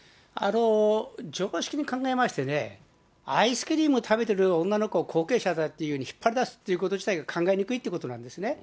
常識に考えましてね、アイスクリーム食べてる女の子を後継者だっていうふうに引っ張り出すっていうこと自体が考えにくいってことなんですね。